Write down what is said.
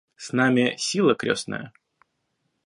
С нами сила крестная.